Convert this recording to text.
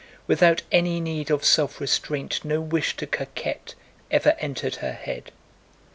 Without any need of self restraint, no wish to coquet ever entered her head.